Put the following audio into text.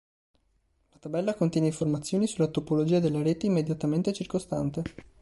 La tabella contiene informazioni sulla topologia della rete immediatamente circostante.